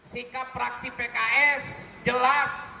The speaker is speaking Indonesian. sikap fraksi pks jelas